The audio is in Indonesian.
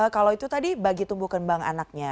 kalau itu tadi bagi tumbuh kembang anaknya